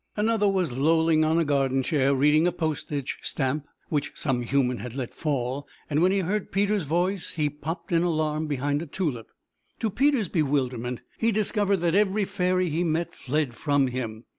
Another was lolling on a garden chair, reading a postage stamp which some human had let fall, and when he heard Peter's voice he popped in alarm behind a tulip. To Peter's bewilderment he discovered that every fairy he met fled from him.